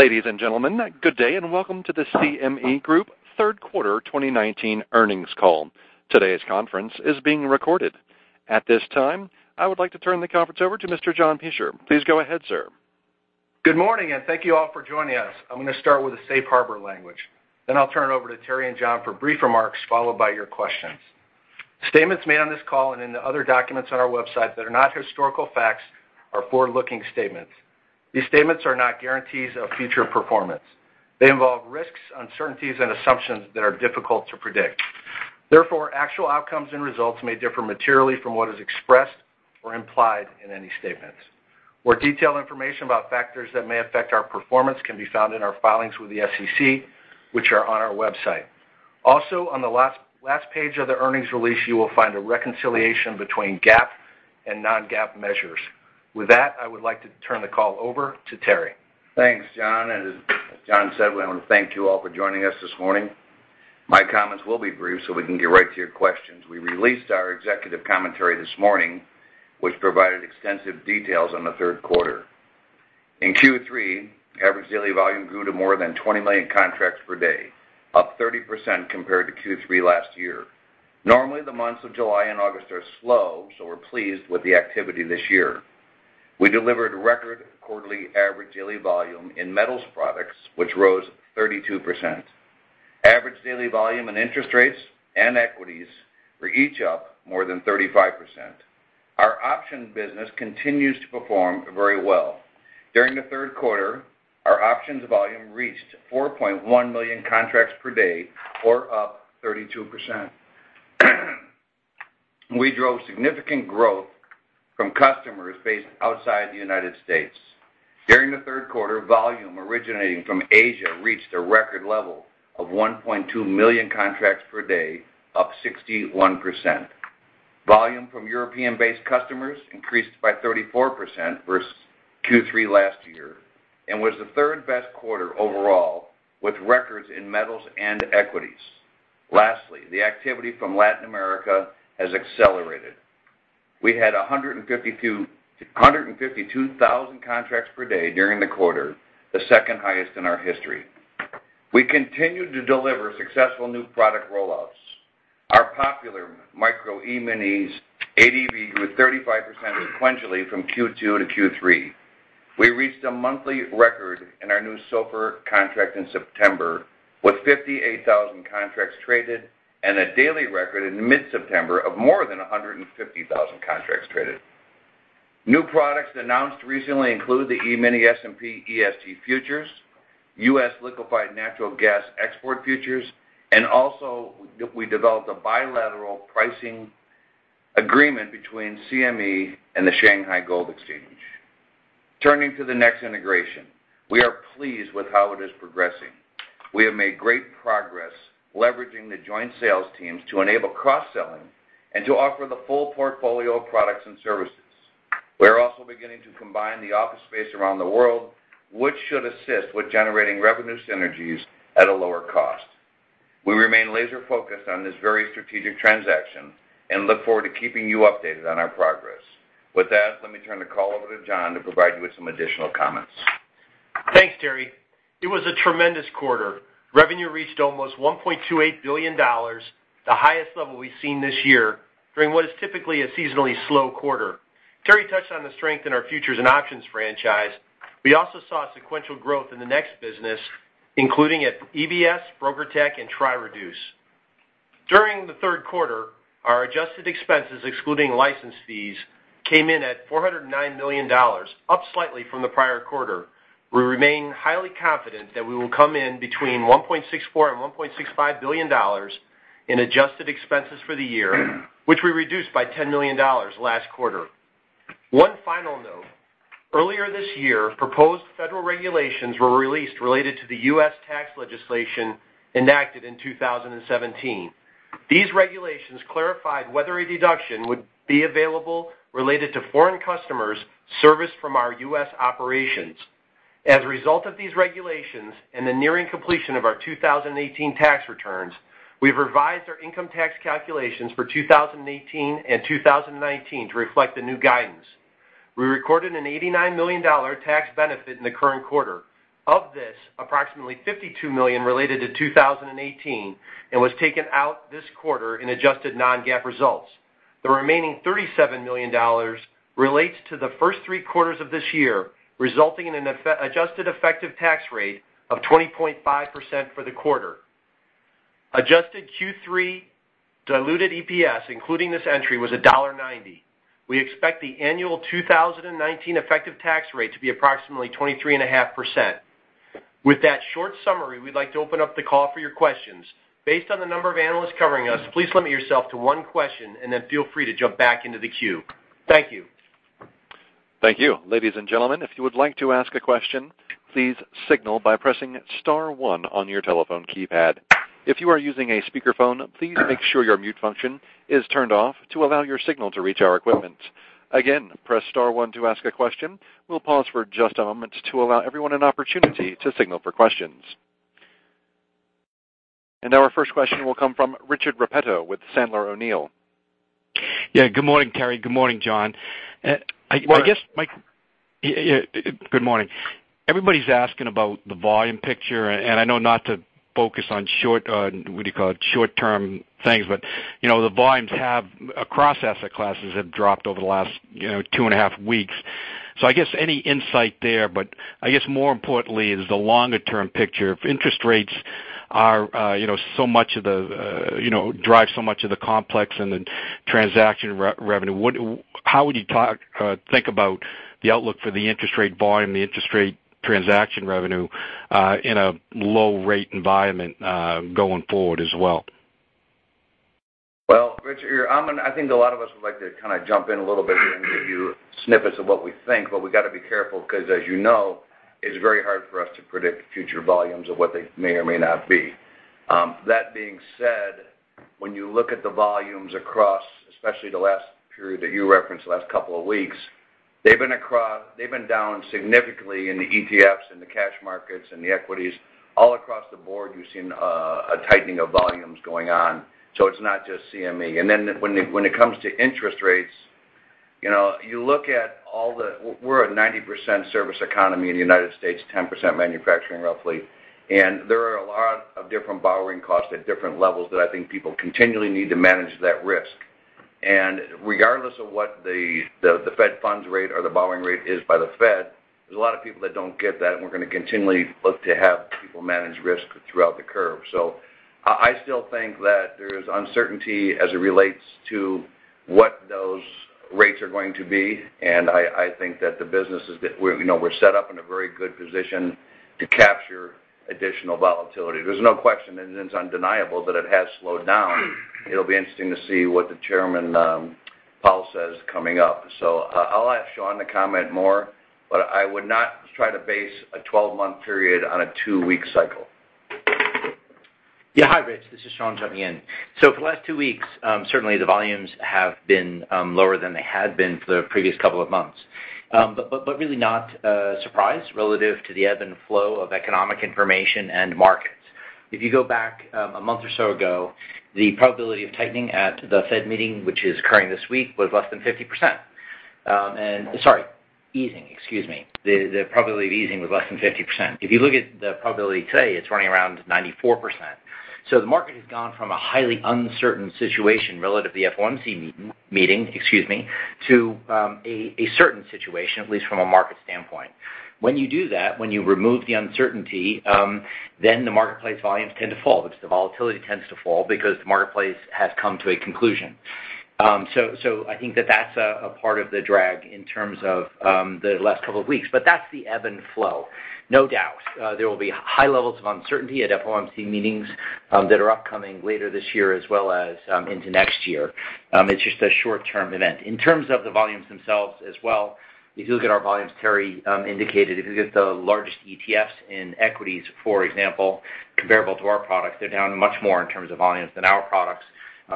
Ladies and gentlemen, good day and welcome to the CME Group third quarter 2019 earnings call. Today's conference is being recorded. At this time, I would like to turn the conference over to Mr. John Peschier. Please go ahead, sir. Good morning. Thank you all for joining us. I'm going to start with the safe harbor language. I'll turn it over to Terry and John for brief remarks, followed by your questions. Statements made on this call and in the other documents on our website that are not historical facts are forward-looking statements. These statements are not guarantees of future performance. They involve risks, uncertainties, and assumptions that are difficult to predict. Actual outcomes and results may differ materially from what is expressed or implied in any statements. More detailed information about factors that may affect our performance can be found in our filings with the SEC, which are on our website. On the last page of the earnings release, you will find a reconciliation between GAAP and non-GAAP measures. With that, I would like to turn the call over to Terry. Thanks, John. As John said, I want to thank you all for joining us this morning. My comments will be brief so we can get right to your questions. We released our executive commentary this morning, which provided extensive details on the third quarter. In Q3, average daily volume grew to more than 20 million contracts per day, up 30% compared to Q3 last year. Normally, the months of July and August are slow. We're pleased with the activity this year. We delivered record quarterly average daily volume in metals products, which rose 32%. Average daily volume in interest rates and equities were each up more than 35%. Our options business continues to perform very well. During the third quarter, our options volume reached 4.1 million contracts per day or up 32%. We drove significant growth from customers based outside the United States. During the third quarter, volume originating from Asia reached a record level of 1.2 million contracts per day, up 61%. Volume from European-based customers increased by 34% versus Q3 last year and was the third-best quarter overall, with records in metals and equities. The activity from Latin America has accelerated. We had 152,000 contracts per day during the quarter, the second highest in our history. We continued to deliver successful new product rollouts. Our popular Micro E-mini ADV grew 35% sequentially from Q2 to Q3. We reached a monthly record in our new SOFR contract in September, with 58,000 contracts traded and a daily record in mid-September of more than 150,000 contracts traded. New products announced recently include the E-mini S&P ESG futures, US Liquefied Natural Gas Export Futures, we developed a bilateral pricing agreement between CME and the Shanghai Gold Exchange. Turning to the next integration, we are pleased with how it is progressing. We have made great progress leveraging the joint sales teams to enable cross-selling and to offer the full portfolio of products and services. We're also beginning to combine the office space around the world, which should assist with generating revenue synergies at a lower cost. We remain laser-focused on this very strategic transaction and look forward to keeping you updated on our progress. With that, let me turn the call over to John to provide you with some additional comments. Thanks, Terry. It was a tremendous quarter. Revenue reached almost $1.28 billion, the highest level we've seen this year during what is typically a seasonally slow quarter. Terry touched on the strength in our futures and options franchise. We also saw sequential growth in the NEX Group business, including at EBS, BrokerTec, and triReduce. During the third quarter, our adjusted expenses, excluding license fees, came in at $409 million, up slightly from the prior quarter. We remain highly confident that we will come in between $1.64 billion and $1.65 billion in adjusted expenses for the year, which we reduced by $10 million last quarter. One final note: earlier this year, proposed federal regulations were released related to the U.S. tax legislation enacted in 2017. These regulations clarified whether a deduction would be available related to foreign customers serviced from our U.S. operations. As a result of these regulations and the nearing completion of our 2018 tax returns, we've revised our income tax calculations for 2018 and 2019 to reflect the new guidance. We recorded an $89 million tax benefit in the current quarter. Of this, approximately $52 million related to 2018 and was taken out this quarter in adjusted non-GAAP results. The remaining $37 million relates to the first three quarters of this year, resulting in an adjusted effective tax rate of 20.5% for the quarter. Adjusted Q3 diluted EPS, including this entry, was $1.90. We expect the annual 2019 effective tax rate to be approximately 23.5%. That short summary, we'd like to open up the call for your questions. Based on the number of analysts covering us, please limit yourself to one question and then feel free to jump back into the queue. Thank you. Thank you. Ladies and gentlemen, if you would like to ask a question, please signal by pressing star one on your telephone keypad. If you are using a speakerphone, please make sure your mute function is turned off to allow your signal to reach our equipment. Again, press star one to ask a question. We'll pause for just a moment to allow everyone an opportunity to signal for questions. Now our first question will come from Rich Repetto with Sandler O'Neill. Yeah, good morning, Terry. Good morning, John. Morning. Yeah. Good morning. Everybody's asking about the volume picture, I know not to focus on short, what do you call it? Short-term things, but the volumes across asset classes have dropped over the last two and a half weeks. I guess any insight there, but I guess more importantly is the longer-term picture. If interest rates drive so much of the complex and the transaction revenue, how would you think about the outlook for the interest rate volume, the interest rate transaction revenue, in a low-rate environment, going forward as well? Well, Rich, I think a lot of us would like to kind of jump in a little bit here and give you snippets of what we think, but we've got to be careful because, as you know, it's very hard for us to predict future volumes of what they may or may not be. That being said, when you look at the volumes across, especially the last period that you referenced, the last couple of weeks, they've been down significantly in the ETFs and the cash markets and the equities. All across the board, you've seen a tightening of volumes going on, so it's not just CME. Then when it comes to interest rates, we're a 90% service economy in the United States, 10% manufacturing, roughly. There are a lot of different borrowing costs at different levels that I think people continually need to manage that risk. Regardless of what the Fed funds rate or the borrowing rate is by the Fed, there's a lot of people that don't get that, and we're going to continually look to have people manage risk throughout the curve. I still think that there's uncertainty as it relates to what those rates are going to be, and I think that we're set up in a very good position to capture additional volatility. There's no question, and it's undeniable that it has slowed down. It'll be interesting to see what Chairman Powell says coming up. I'll ask Sean to comment more, but I would not try to base a 12-month period on a two-week cycle. Hi, Rich. This is Sean jumping in. For the last two weeks, certainly the volumes have been lower than they had been for the previous couple of months. Really not a surprise relative to the ebb and flow of economic information and markets. If you go back a month or so ago, the probability of tightening at the Fed meeting, which is occurring this week, was less than 50%. Sorry, easing, excuse me. The probability of easing was less than 50%. If you look at the probability today, it's running around 94%. The market has gone from a highly uncertain situation relative to the FOMC meeting to a certain situation, at least from a market standpoint. When you do that, when you remove the uncertainty, the marketplace volumes tend to fall. The volatility tends to fall because the marketplace has come to a conclusion. I think that that's a part of the drag in terms of the last couple of weeks, but that's the ebb and flow. No doubt, there will be high levels of uncertainty at FOMC meetings that are upcoming later this year as well as into next year. It's just a short-term event. In terms of the volumes themselves as well, if you look at our volumes, Terry indicated, if you look at the largest ETFs in equities, for example, comparable to our products, they're down much more in terms of volumes than our products.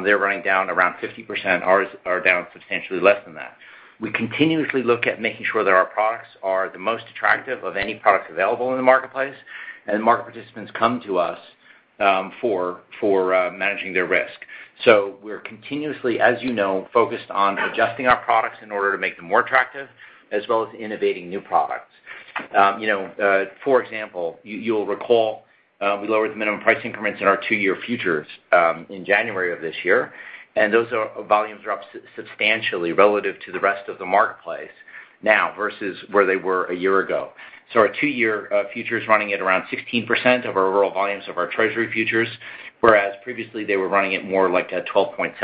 They're running down around 50%. Ours are down substantially less than that. We continuously look at making sure that our products are the most attractive of any products available in the marketplace, and the market participants come to us for managing their risk. We're continuously, as you know, focused on adjusting our products in order to make them more attractive, as well as innovating new products. For example, you'll recall, we lowered the minimum price increments in our two-year futures in January of this year, and those volumes are up substantially relative to the rest of the marketplace now versus where they were a year ago. Our two-year future is running at around 16% of our overall volumes of our Treasury futures, whereas previously, they were running at more like 12.7%.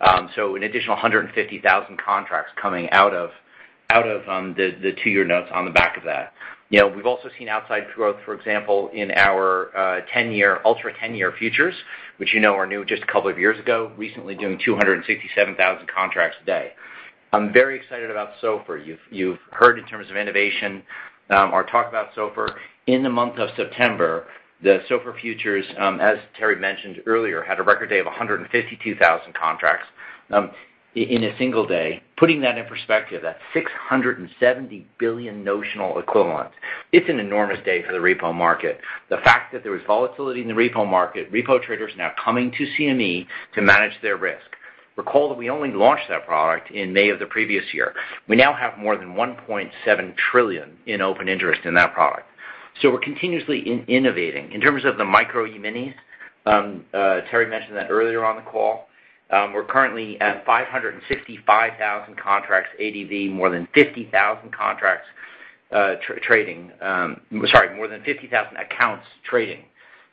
An additional 150,000 contracts coming out of the 2-year notes on the back of that. We've also seen outside growth, for example, in our ultra 10-year futures, which you know are new just a couple of years ago, recently doing 267,000 contracts a day. I'm very excited about SOFR. You've heard in terms of innovation, our talk about SOFR. In the month of September, the SOFR futures, as Terry mentioned earlier, had a record day of 152,000 contracts in a single day. Putting that in perspective, that's 670 billion notional equivalent. It's an enormous day for the repo market. The fact that there was volatility in the repo market, repo traders are now coming to CME Group to manage their risk. Recall that we only launched that product in May of the previous year. We now have more than 1.7 trillion in open interest in that product. We're continuously innovating. In terms of the Micro E-minis, Terry mentioned that earlier on the call. We're currently at 565,000 contracts ADV, more than 50,000 contracts trading-- Sorry, more than 50,000 accounts trading.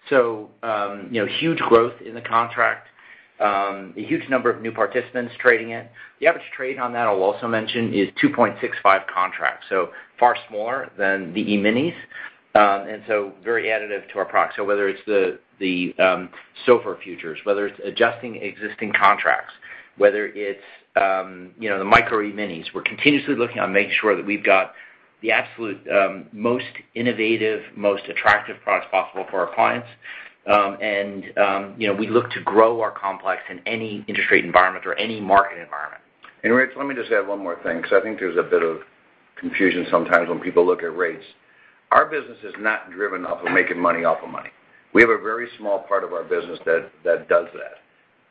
Huge growth in the contract. A huge number of new participants trading it. The average trade on that, I'll also mention, is 2.65 contracts, so far smaller than the E-minis. Very additive to our product. Whether it's the SOFR futures, whether it's adjusting existing contracts, whether it's the Micro E-minis, we're continuously looking to make sure that we've got the absolute most innovative, most attractive products possible for our clients. We look to grow our complex in any interest rate environment or any market environment. Rich, let me just add one more thing, because I think there's a bit of confusion sometimes when people look at rates. Our business is not driven off of making money off of money. We have a very small part of our business that does that,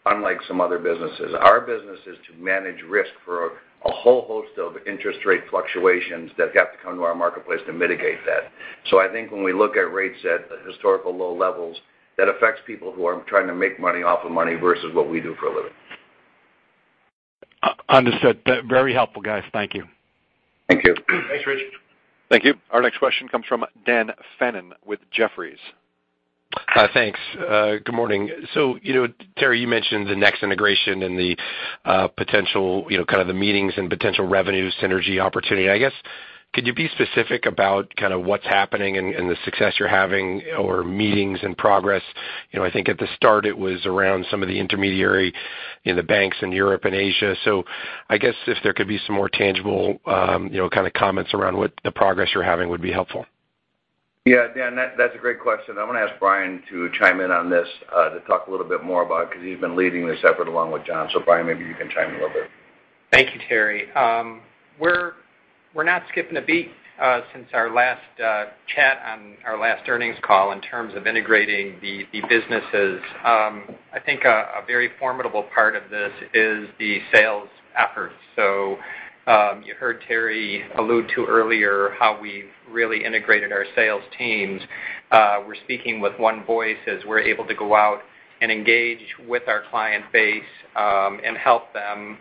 unlike some other businesses. Our business is to manage risk for a whole host of interest rate fluctuations that have to come to our marketplace to mitigate that. I think when we look at rates at historical low levels, that affects people who are trying to make money off of money versus what we do for a living. Understood. Very helpful, guys. Thank you. Thank you. Thanks, Rich. Thank you. Our next question comes from Dan Fannon with Jefferies. Hi, thanks. Good morning. Terry, you mentioned the NEX integration and the potential kind of the meetings and potential revenue synergy opportunity. I guess, could you be specific about kind of what's happening and the success you're having or meetings and progress? I think at the start it was around some of the intermediary in the banks in Europe and Asia. I guess if there could be some more tangible kind of comments around what the progress you're having would be helpful. Yeah, Dan, that's a great question. I want to ask Bryan to chime in on this to talk a little bit more about, because he's been leading this effort along with John. Bryan, maybe you can chime in a little bit. Thank you, Terry. We're not skipping a beat since our last chat on our last earnings call in terms of integrating the businesses. I think a very formidable part of this is the sales efforts. You heard Terry allude to earlier how we've really integrated our sales teams. We're speaking with one voice as we're able to go out and engage with our client base, and help them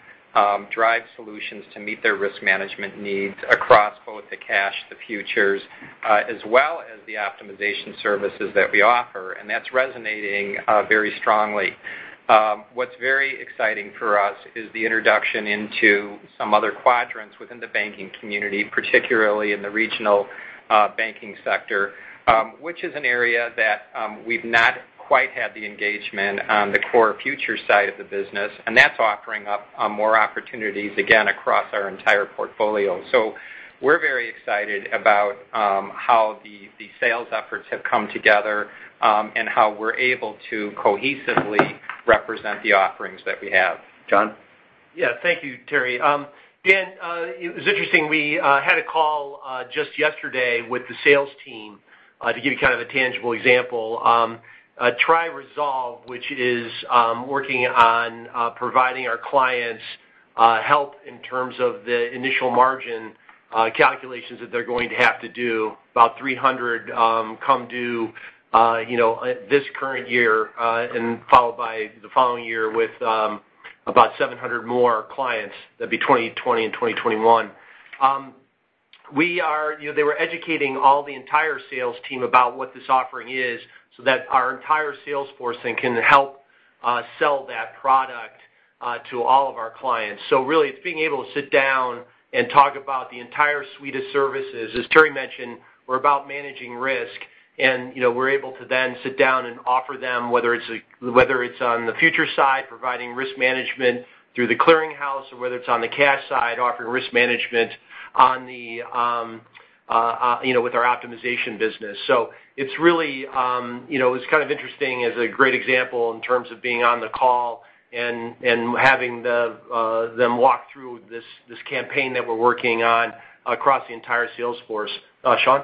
drive solutions to meet their risk management needs across both the cash, the futures, as well as the optimization services that we offer. That's resonating very strongly. What's very exciting for us is the introduction into some other quadrants within the banking community, particularly in the regional banking sector, which is an area that we've not quite had the engagement on the core futures side of the business, and that's offering up more opportunities, again, across our entire portfolio. We're very excited about how the sales efforts have come together, and how we're able to cohesively represent the offerings that we have. John? Yeah. Thank you, Terry. Dan, it was interesting, we had a call just yesterday with the sales team to give you kind of a tangible example. TriResolve, which is working on providing our clients help in terms of the initial margin calculations that they're going to have to do, about 300 come due this current year, and followed by the following year with about 700 more clients. That'd be 2020 and 2021. They were educating all the entire sales team about what this offering is so that our entire sales force then can help sell that product to all of our clients. Really, it's being able to sit down and talk about the entire suite of services. As Terry mentioned, we're about managing risk, and we're able to then sit down and offer them, whether it's on the futures side, providing risk management through the clearinghouse, or whether it's on the cash side, offering risk management with our optimization business. It's kind of interesting as a great example in terms of being on the call and having them walk through this campaign that we're working on across the entire sales force. Sean?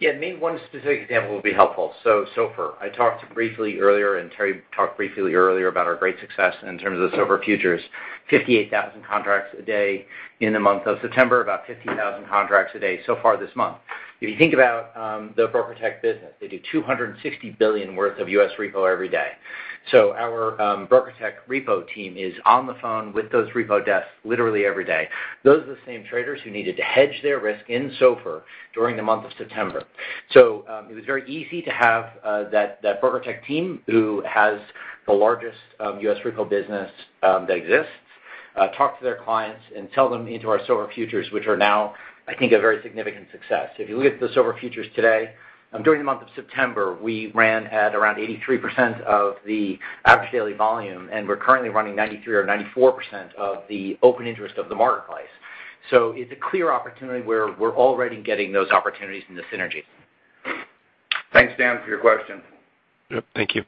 Yeah, maybe one specific example would be helpful. SOFR, I talked briefly earlier, and Terry talked briefly earlier about our great success in terms of SOFR futures, 58,000 contracts a day in the month of September, about 50,000 contracts a day so far this month. If you think about the BrokerTec business, they do $260 billion worth of U.S. repo every day. Our BrokerTec repo team is on the phone with those repo desks literally every day. Those are the same traders who needed to hedge their risk in SOFR during the month of September. It was very easy to have that BrokerTec team, who has the largest U.S. repo business that exists, talk to their clients and sell them into our SOFR futures, which are now, I think, a very significant success. If you look at the SOFR futures today, during the month of September, we ran at around 83% of the average daily volume, and we're currently running 93% or 94% of the open interest of the marketplace. It's a clear opportunity where we're already getting those opportunities and the synergies. Thanks, Dan, for your question. Yep. Thank you.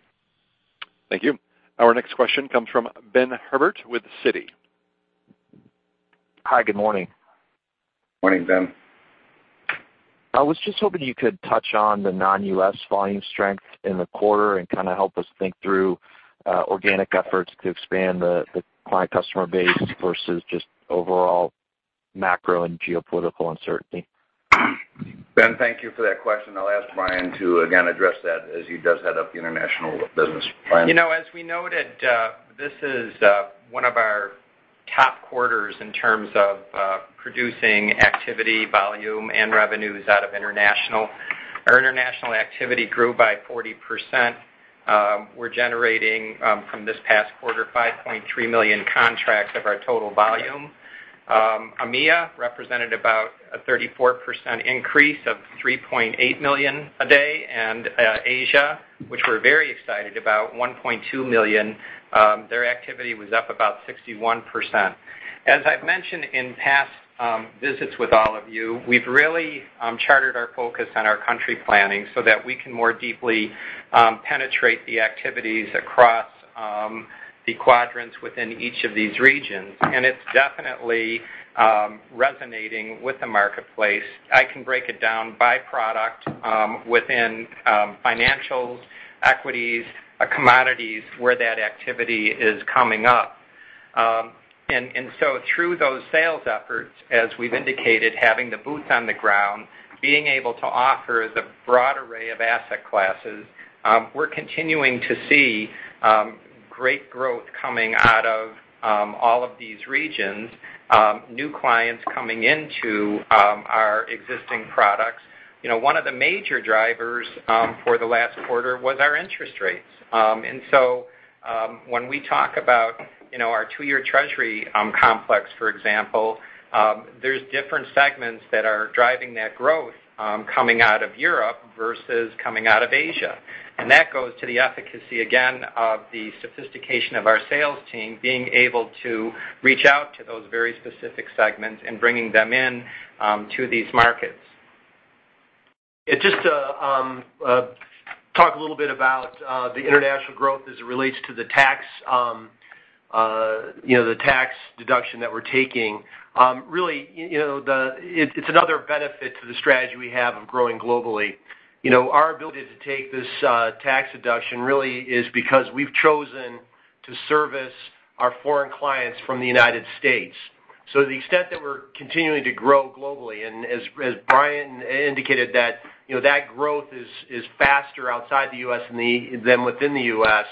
Thank you. Our next question comes from Ben Herbert with Citi. Hi, good morning. Morning, Ben. I was just hoping you could touch on the non-U.S. volume strength in the quarter and kind of help us think through organic efforts to expand the client customer base versus just overall macro and geopolitical uncertainty. Ben, thank you for that question. I'll ask Bryan to again address that as he does head up the international business. Bryan? As we noted, this is one of our top quarters in terms of producing activity, volume, and revenues out of international. Our international activity grew by 40%. We're generating, from this past quarter, 5.3 million contracts of our total volume. EMEA represented about a 34% increase of 3.8 million a day. Asia, which we're very excited about, 1.2 million, their activity was up about 61%. As I've mentioned in past visits with all of you, we've really chartered our focus on our country planning so that we can more deeply penetrate the activities across the quadrants within each of these regions, and it's definitely resonating with the marketplace. I can break it down by product within financials, equities, commodities, where that activity is coming up. Through those sales efforts, as we've indicated, having the boots on the ground, being able to offer the broad array of asset classes, we're continuing to see great growth coming out of all of these regions, new clients coming into our existing products. One of the major drivers for the last quarter was our interest rates. When we talk about our two-year Treasury complex, for example, there's different segments that are driving that growth coming out of Europe versus coming out of Asia. That goes to the efficacy, again, of the sophistication of our sales team being able to reach out to those very specific segments and bringing them in to these markets. Just to talk a little bit about the international growth as it relates to the tax deduction that we're taking. Really, it's another benefit to the strategy we have of growing globally. Our ability to take this tax deduction really is because we've chosen to service our foreign clients from the U.S. To the extent that we're continuing to grow globally, and as Bryan indicated, that growth is faster outside the U.S. than within the U.S.,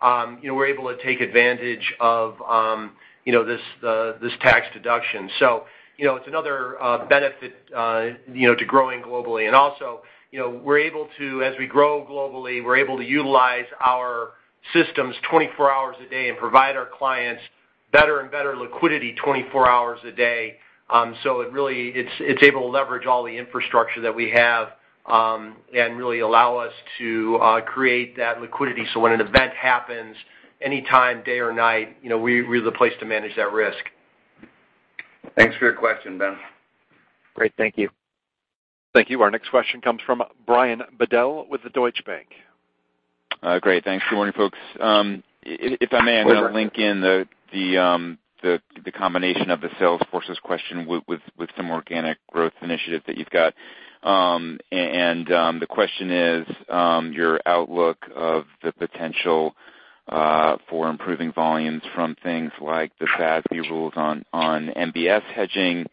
we're able to take advantage of this tax deduction. It's another benefit to growing globally. Also, as we grow globally, we're able to utilize our systems 24 hours a day and provide our clients better and better liquidity 24 hours a day. It's able to leverage all the infrastructure that we have and really allow us to create that liquidity, so when an event happens anytime, day or night, we're the place to manage that risk. Thanks for your question, Ben. Great. Thank you. Thank you. Our next question comes from Brian Bedell with the Deutsche Bank. Great. Thanks. Good morning, folks. Please I'm going to link in the combination of the sales forces question with some organic growth initiatives that you've got. The question is your outlook of the potential for improving volumes from things like the SASB rules on MBS hedging,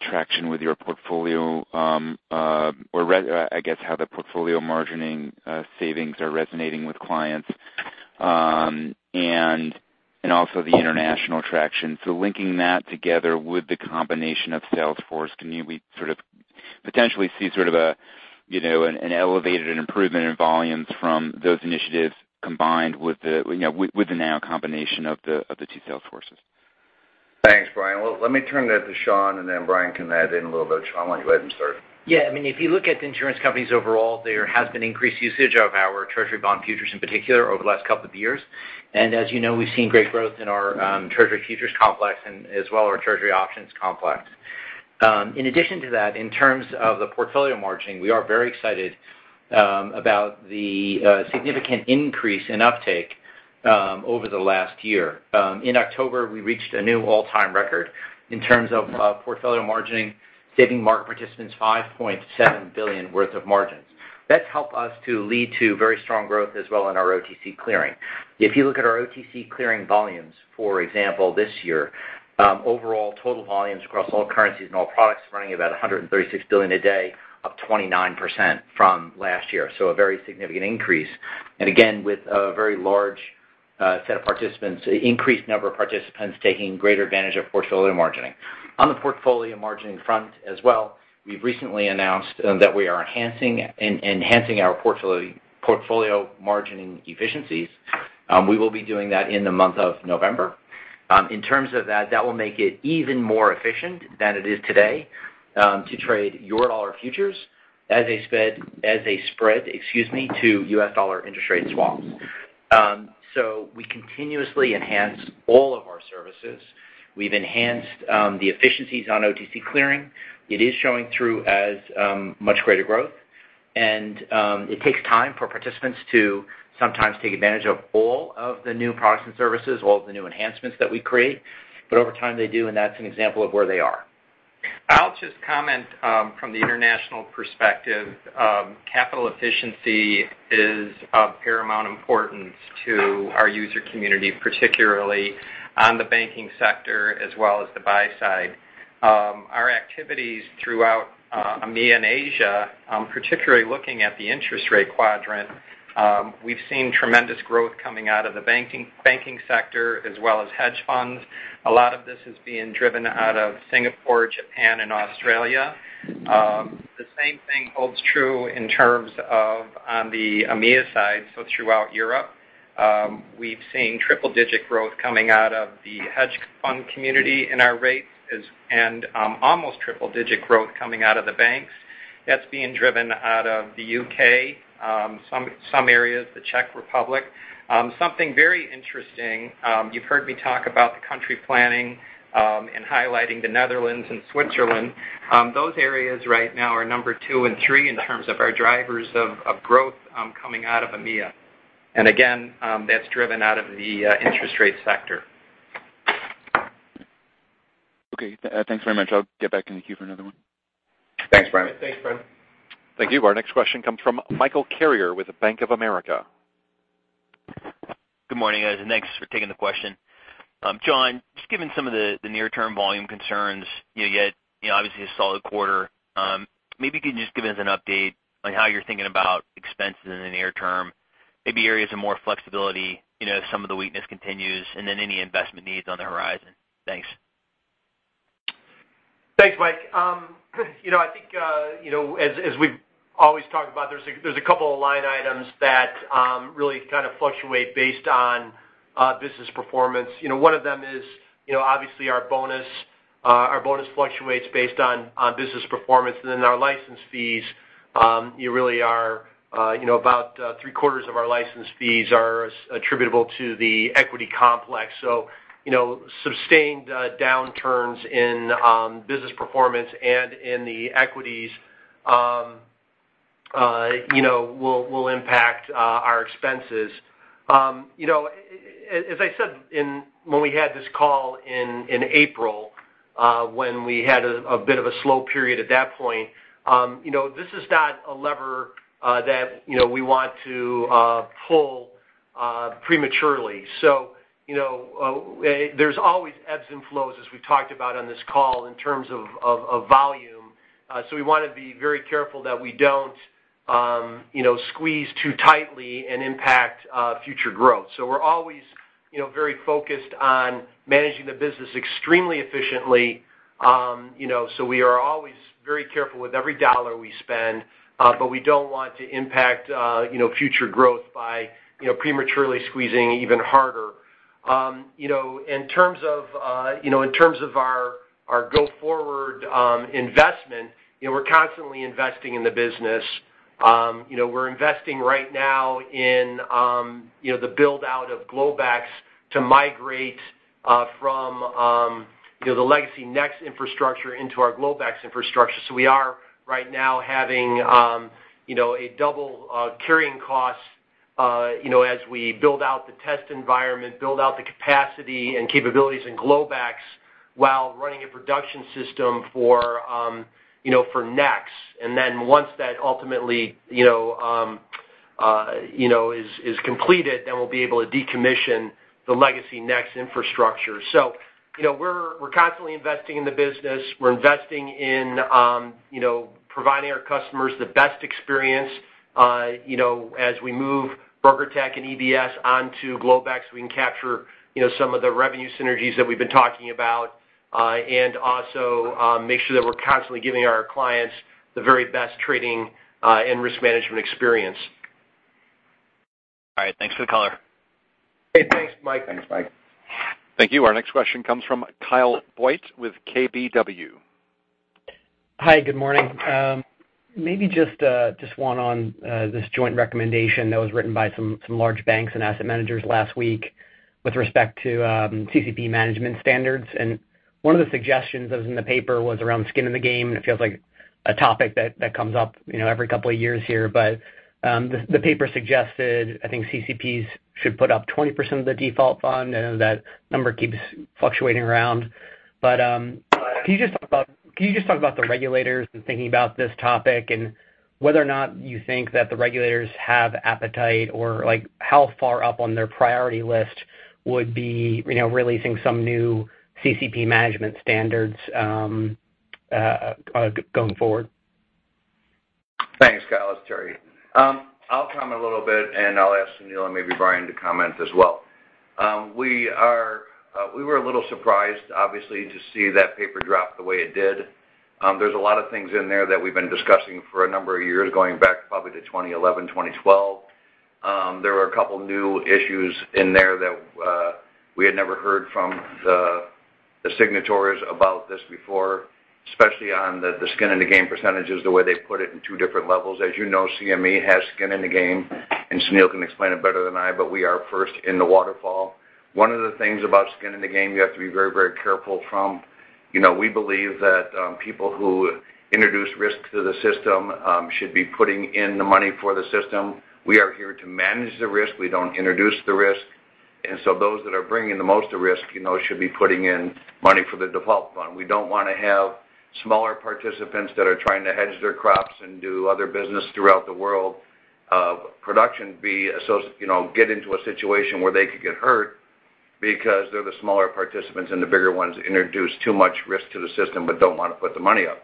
traction with your portfolio or, I guess, how the portfolio margining savings are resonating with clients, and also the international traction. Linking that together with the combination of sales forces, can we potentially see sort of an elevated and improvement in volumes from those initiatives combined with the now combination of the two sales forces? Thanks, Brian. Well, let me turn that to Sean, and then Brian can add in a little bit. Sean, why don't you go ahead and start? If you look at the insurance companies overall, there has been increased usage of our Treasury bond futures in particular over the last couple of years. As you know, we've seen great growth in our Treasury futures complex and as well our Treasury options complex. In addition to that, in terms of the portfolio margining, we are very excited about the significant increase in uptake over the last year. In October, we reached a new all-time record in terms of portfolio margining, saving market participants $5.7 billion worth of margins. That's helped us to lead to very strong growth as well in our OTC clearing. If you look at our OTC clearing volumes, for example, this year, overall total volumes across all currencies and all products running about $136 billion a day, up 29% from last year, so a very significant increase. Again, with a very large set of participants, increased number of participants taking greater advantage of portfolio margining. On the portfolio margining front as well, we've recently announced that we are enhancing our portfolio margining efficiencies. We will be doing that in the month of November. In terms of that will make it even more efficient than it is today to trade Eurodollar futures as a spread to U.S. dollar interest rate swaps. We continuously enhance all of our services. We've enhanced the efficiencies on OTC clearing. It is showing through as much greater growth. It takes time for participants to sometimes take advantage of all of the new products and services, all of the new enhancements that we create. Over time, they do. That's an example of where they are. I'll just comment from the international perspective. Capital efficiency is of paramount importance to our user community, particularly on the banking sector as well as the buy side. Our activities throughout EMEA and Asia, particularly looking at the interest rate quadrant, we've seen tremendous growth coming out of the banking sector as well as hedge funds. A lot of this is being driven out of Singapore, Japan, and Australia. The same thing holds true in terms of on the EMEA side, so throughout Europe. We've seen triple-digit growth coming out of the hedge fund community in our rates and almost triple-digit growth coming out of the banks. That's being driven out of the U.K., some areas, the Czech Republic. Something very interesting, you've heard me talk about the country planning and highlighting the Netherlands and Switzerland. Those areas right now are number 2 and 3 in terms of our drivers of growth coming out of EMEA. Again, that's driven out of the interest rate sector. Okay. Thanks very much. I'll get back in the queue for another one. Thanks, Brian. Thanks, Brian. Thank you. Our next question comes from Michael Carrier with Bank of America. Good morning, guys, and thanks for taking the question. John, just given some of the near-term volume concerns, you had obviously a solid quarter. Maybe you can just give us an update on how you're thinking about expenses in the near term, maybe areas of more flexibility, if some of the weakness continues, and then any investment needs on the horizon. Thanks. Thanks, Mike. I think as we've always talked about, there's a couple of line items that really kind of fluctuate based on business performance. One of them is obviously our bonus. Our bonus fluctuates based on business performance. Our license fees, about three-quarters of our license fees are attributable to the equity complex. Sustained downturns in business performance and in the equities will impact our expenses. As I said when we had this call in April, when we had a bit of a slow period at that point, this is not a lever that we want to pull prematurely. There's always ebbs and flows, as we've talked about on this call, in terms of volume. We want to be very careful that we don't squeeze too tightly and impact future growth. We're always very focused on managing the business extremely efficiently, so we are always very careful with every dollar we spend. We don't want to impact future growth by prematurely squeezing even harder. In terms of our go-forward investment, we're constantly investing in the business. We're investing right now in the build-out of Globex to migrate from the legacy NEX infrastructure into our Globex infrastructure. We are right now having a double carrying cost as we build out the test environment, build out the capacity and capabilities in Globex while running a production system for NEX. Once that ultimately is completed, then we'll be able to decommission the legacy NEX infrastructure. We're constantly investing in the business. We're investing in providing our customers the best experience as we move BrokerTec and EBS onto Globex so we can capture some of the revenue synergies that we've been talking about, and also make sure that we're constantly giving our clients the very best trading and risk management experience. All right. Thanks for the color. Hey, thanks, Mike. Thanks, Mike. Thank you. Our next question comes from Kyle Voigt with KBW. Hi, good morning. Maybe just one on this joint recommendation that was written by some large banks and asset managers last week with respect to CCP management standards. One of the suggestions that was in the paper was around skin in the game. It feels like a topic that comes up every couple of years here. The paper suggested, I think CCPs should put up 20% of the default fund, and that number keeps fluctuating around. Can you just talk about the regulators and thinking about this topic and whether or not you think that the regulators have appetite, or how far up on their priority list would be releasing some new CCP management standards going forward? Thanks, Kyle. It's Terry. I'll comment a little bit, and I'll ask Sunil and maybe Bryan to comment as well. We were a little surprised, obviously, to see that paper drop the way it did. There's a lot of things in there that we've been discussing for a number of years, going back probably to 2011, 2012. There were a couple of new issues in there that we had never heard from the signatories about this before, especially on the skin in the game percentages, the way they put it in 2 different levels. As you know, CME has skin in the game, and Sunil can explain it better than I, but we are first in the waterfall. One of the things about skin in the game you have to be very careful from. We believe that people who introduce risk to the system should be putting in the money for the system. We are here to manage the risk. We don't introduce the risk. Those that are bringing the most risk should be putting in money for the default fund. We don't want to have smaller participants that are trying to hedge their crops and do other business throughout the world of production get into a situation where they could get hurt because they're the smaller participants and the bigger ones introduce too much risk to the system but don't want to put the money up.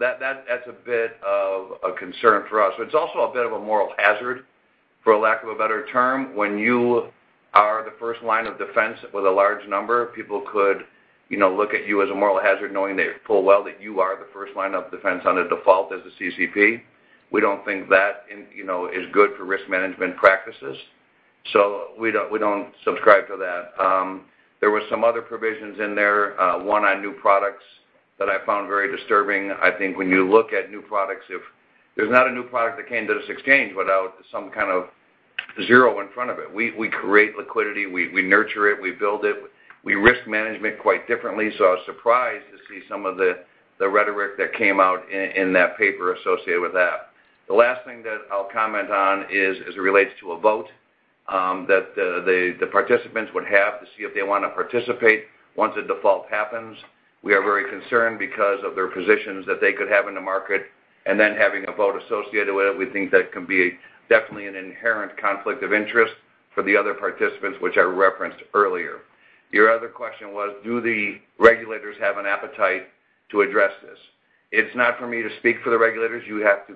That's a bit of a concern for us. It's also a bit of a moral hazard, for lack of a better term. When you are the first line of defense with a large number, people could look at you as a moral hazard, knowing they full well that you are the first line of defense on a default as a CCP. We don't think that is good for risk management practices. We don't subscribe to that. There were some other provisions in there, one on new products that I found very disturbing. I think when you look at new products, there's not a new product that came to this exchange without some kind of zero in front of it. We create liquidity, we nurture it, we build it. We risk management quite differently. I was surprised to see some of the rhetoric that came out in that paper associated with that. The last thing that I'll comment on is as it relates to a vote that the participants would have to see if they want to participate once a default happens. We are very concerned because of their positions that they could have in the market, and then having a vote associated with it, we think that can be definitely an inherent conflict of interest for the other participants, which I referenced earlier. Your other question was, do the regulators have an appetite to address this? It's not for me to speak for the regulators. You have to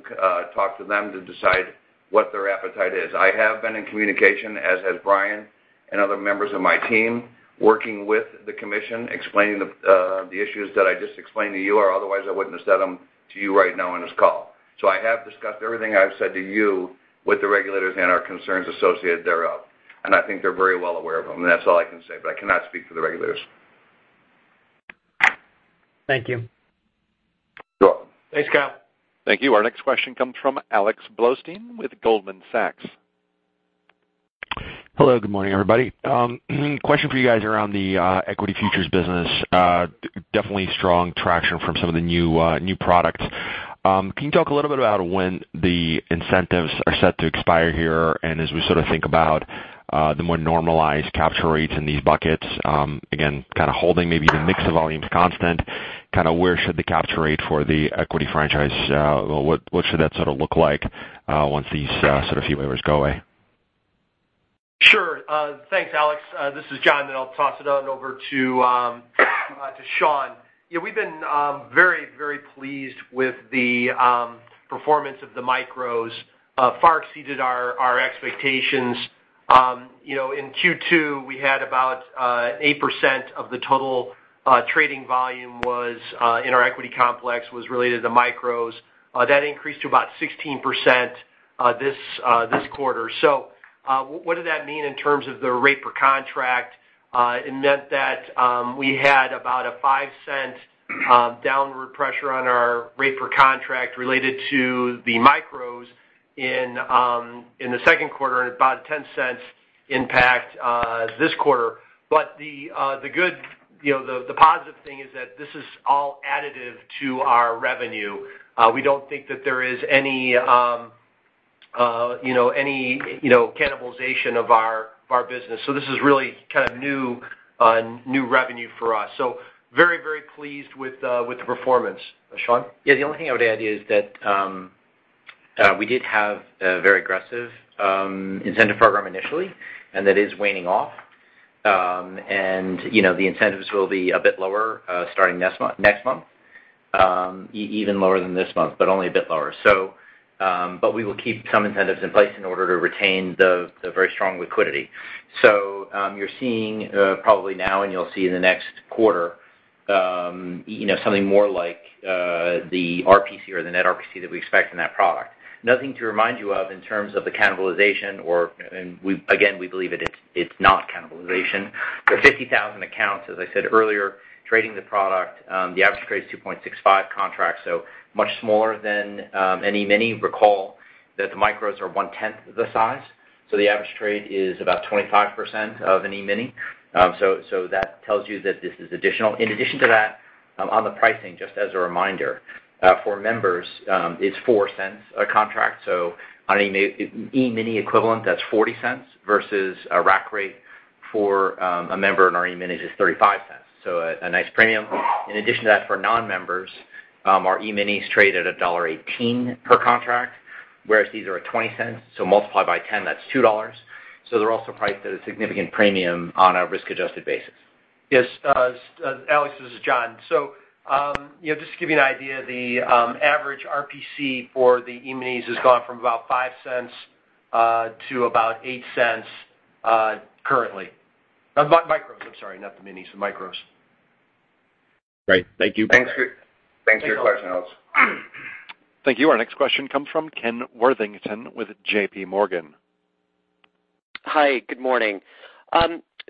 talk to them to decide what their appetite is. I have been in communication, as has Bryan and other members of my team, working with the commission, explaining the issues that I just explained to you, or otherwise I wouldn't have said them to you right now on this call. I have discussed everything I've said to you with the regulators and our concerns associated thereof, and I think they're very well aware of them, and that's all I can say. I cannot speak for the regulators. Thank you. You're welcome. Thanks, Kyle. Thank you. Our next question comes from Alex Blostein with Goldman Sachs. Hello. Good morning, everybody. Question for you guys around the equity futures business. Definitely strong traction from some of the new products. Can you talk a little bit about when the incentives are set to expire here, and as we think about the more normalized capture rates in these buckets, again, kind of holding maybe the mix of volumes constant, where should the capture rate for the equity franchise-- what should that look like once these waivers go away? Sure. Thanks, Alex. This is John, I'll toss it on over to Sean. We've been very, very pleased with the performance of the Micros, far exceeded our expectations. In Q2, we had about 8% of the total trading volume was in our equity complex was related to Micros. That increased to about 16% this quarter. What did that mean in terms of the rate per contract? It meant that we had about a $0.05 downward pressure on our rate per contract related to the Micros in the second quarter, and about $0.10 impact this quarter. The positive thing is that this is all additive to our revenue. We don't think that there is any cannibalization of our business. This is really kind of new revenue for us. Very, very pleased with the performance. Sean? Yeah, the only thing I would add is that we did have a very aggressive incentive program initially. That is waning off. The incentives will be a bit lower starting next month, even lower than this month, only a bit lower. We will keep some incentives in place in order to retain the very strong liquidity. You're seeing probably now, and you'll see in the next quarter, something more like the RPC or the net RPC that we expect in that product. Nothing to remind you of in terms of the cannibalization. Again, we believe it's not cannibalization. There are 50,000 accounts, as I said earlier, trading the product. The average trade is 2.65 contracts, much smaller than an E-mini. Recall that the Micros are one-tenth the size, the average trade is about 25% of an E-mini. That tells you that this is additional. In addition to that, on the pricing, just as a reminder, for members, it's $0.04 a contract, so on an E-mini equivalent, that's $0.40 versus a rack rate for a member in our E-mini is $0.35. A nice premium. In addition to that, for non-members, our E-minis trade at $1.18 per contract, whereas these are at $0.20, so multiply by 10, that's $2. They're also priced at a significant premium on a risk-adjusted basis. Yes. Alex, this is John. Just to give you an idea, the average RPC for the E-minis has gone from about $0.05 to about $0.08 currently. Micros, I'm sorry, not the Minis, the Micros. Great. Thank you. Thanks for your question, Alex. Thank you. Our next question comes from Ken Worthington with JPMorgan. Hi. Good morning.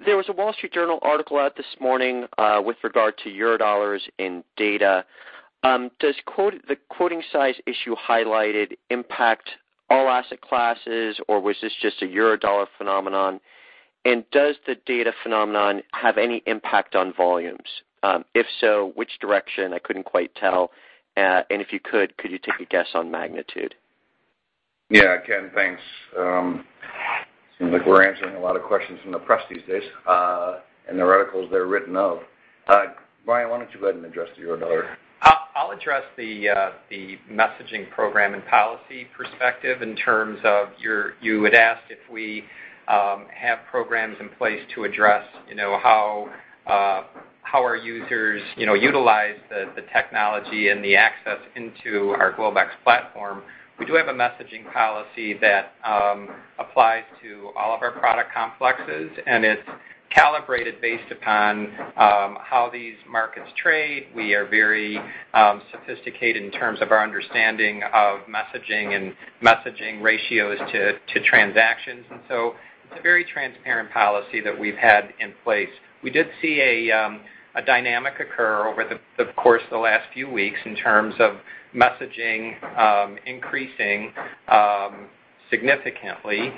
There was a Wall Street Journal article out this morning with regard to Eurodollars in data. Does the quoting size issue highlighted impact all asset classes, or was this just a Eurodollar phenomenon? Does the data phenomenon have any impact on volumes? If so, which direction? I couldn't quite tell. If you could you take a guess on magnitude? Yeah. Ken, thanks. Seems like we're answering a lot of questions from the press these days, and the articles they're written of. Bryan, why don't you go ahead and address the Eurodollar? I'll address the messaging program and policy perspective in terms of you had asked if we have programs in place to address how our users utilize the technology and the access into our Globex platform. We do have a messaging policy that applies to all of our product complexes, and it's calibrated based upon how these markets trade. We are very sophisticated in terms of our understanding of messaging and messaging ratios to transactions, and so it's a very transparent policy that we've had in place. We did see a dynamic occur over the course of the last few weeks in terms of messaging increasing significantly.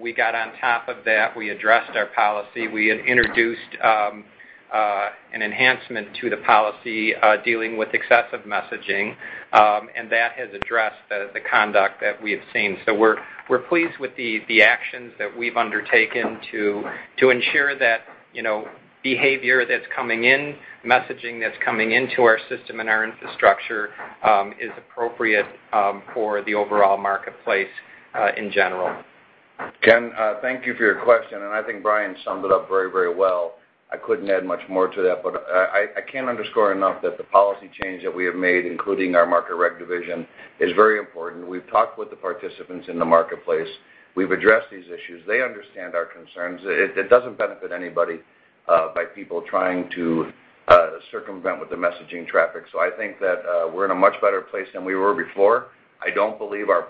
We got on top of that. We addressed our policy. We had introduced an enhancement to the policy dealing with excessive messaging, and that has addressed the conduct that we have seen. We're pleased with the actions that we've undertaken to ensure that behavior that's coming in, messaging that's coming into our system and our infrastructure, is appropriate for the overall marketplace, in general. Ken, thank you for your question. I think Bryan summed it up very well. I couldn't add much more to that. I can't underscore enough that the policy change that we have made, including our Market Regulation division, is very important. We've talked with the participants in the marketplace. We've addressed these issues. They understand our concerns. It doesn't benefit anybody by people trying to circumvent with the messaging traffic. I think that we're in a much better place than we were before. I don't believe our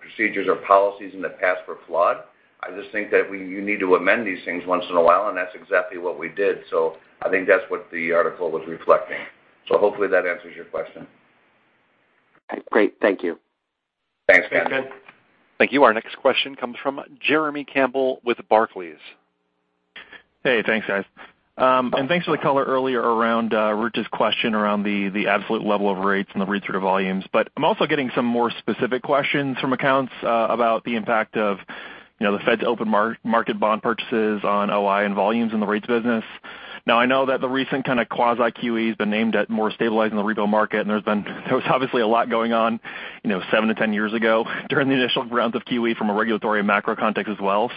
procedures or policies in the past were flawed. I just think that you need to amend these things once in a while. That's exactly what we did. I think that's what the article was reflecting. Hopefully that answers your question. Great. Thank you. Thanks, Ken. Thanks, Ken. Thank you. Our next question comes from Jeremy Campbell with Barclays. Hey, thanks, guys. Thanks for the color earlier around Rich's question around the absolute level of rates and the read-through volumes. I'm also getting some more specific questions from accounts about the impact of the Fed's open market bond purchases on OI and volumes in the rates business. Now, I know that the recent kind of quasi QE's been aimed at more stabilizing the repo market, and there was obviously a lot going on seven to 10 years ago during the initial rounds of QE from a regulatory and macro context as well.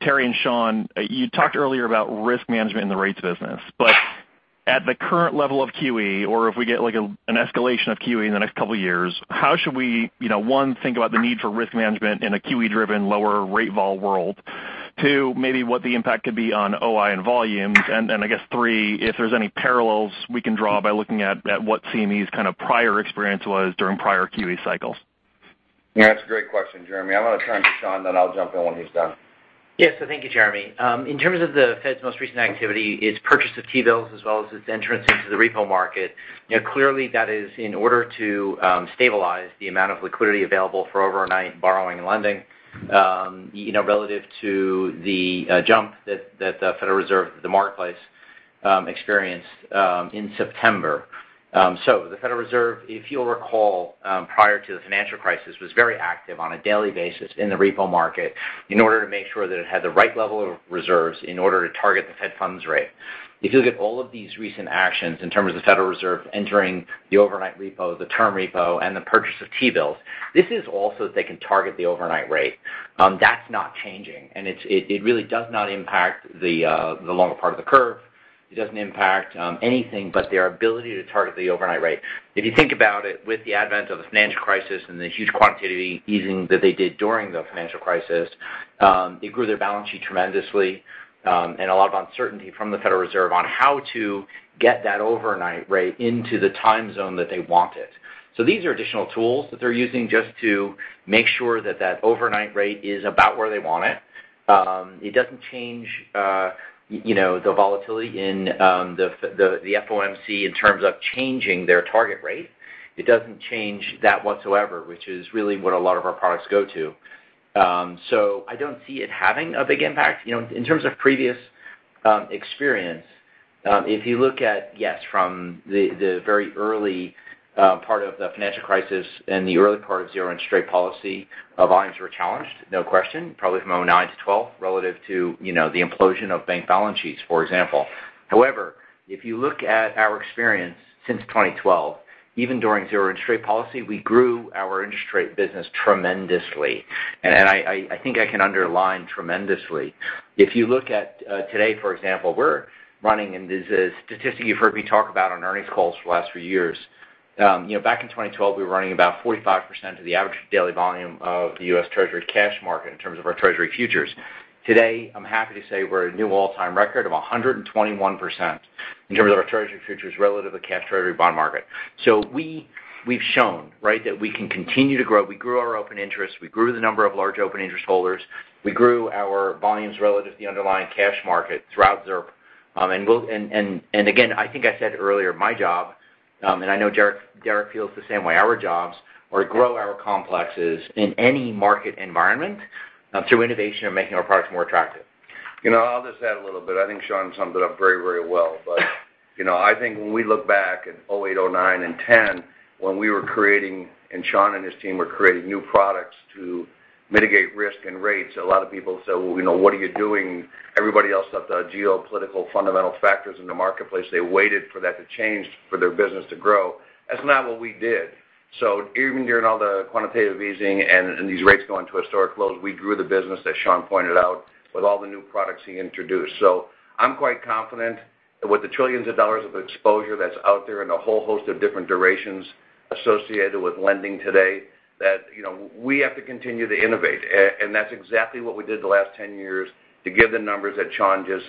Terry and Sean, you talked earlier about risk management in the rates business. At the current level of QE, or if we get an escalation of QE in the next couple of years, how should we, one, think about the need for risk management in a QE-driven lower rate vol world? Two, maybe what the impact could be on OI and volumes. I guess three, if there's any parallels we can draw by looking at what CME's kind of prior experience was during prior QE cycles. Yeah, that's a great question, Jeremy. I'm going to turn to Sean, then I'll jump in when he's done. Yes, thank you, Jeremy. In terms of the Fed's most recent activity, its purchase of T-bills as well as its entrance into the repo market, clearly that is in order to stabilize the amount of liquidity available for overnight borrowing and lending, relative to the jump that the Federal Reserve, the marketplace, experienced in September. The Federal Reserve, if you'll recall, prior to the financial crisis, was very active on a daily basis in the repo market in order to make sure that it had the right level of reserves in order to target the Fed funds rate. If you look at all of these recent actions in terms of the Federal Reserve entering the overnight repo, the term repo, and the purchase of T-bills, this is all so that they can target the overnight rate. That's not changing. It really does not impact the longer part of the curve. It doesn't impact anything but their ability to target the overnight rate. If you think about it, with the advent of the financial crisis and the huge quantitative easing that they did during the financial crisis, it grew their balance sheet tremendously, and a lot of uncertainty from the Federal Reserve on how to get that overnight rate into the time zone that they want it. These are additional tools that they're using just to make sure that that overnight rate is about where they want it. It doesn't change the volatility in the FOMC in terms of changing their target rate. It doesn't change that whatsoever, which is really what a lot of our products go to. I don't see it having a big impact. In terms of previous experience, if you look at, yes, from the very early part of the financial crisis and the early part of zero interest rate policy, volumes were challenged, no question, probably from 2009 to 2012, relative to the implosion of bank balance sheets, for example. However, if you look at our experience since 2012, even during zero interest rate policy, we grew our interest rate business tremendously. I think I can underline tremendously. If you look at today, for example, we're running, and this is a statistic you've heard me talk about on earnings calls for the last few years. Back in 2012, we were running about 45% of the average daily volume of the U.S. Treasury cash market in terms of our Treasury futures. Today, I'm happy to say we're at a new all-time record of 121% in terms of our Treasury futures relative to cash Treasury bond market. We've shown that we can continue to grow. We grew our open interest. We grew the number of large open interest holders. We grew our volumes relative to the underlying cash market throughout ZIRP. Again, I think I said earlier, my job, and I know Terry feels the same way, our jobs are to grow our complexes in any market environment through innovation and making our products more attractive. I'll just add a little bit. I think Sean summed it up very well. I think when we look back at 2008, 2009, and 2010, when we were creating, and Sean and his team were creating new products to mitigate risk and rates, a lot of people said, "Well, what are you doing?" Everybody else thought the geopolitical fundamental factors in the marketplace, they waited for that to change for their business to grow. That's not what we did. Even during all the quantitative easing and these rates going to historic lows, we grew the business, as Sean pointed out, with all the new products he introduced. I'm quite confident with the trillions of dollars of exposure that's out there and a whole host of different durations associated with lending today, that we have to continue to innovate. That's exactly what we did the last 10 years to give the numbers that Sean just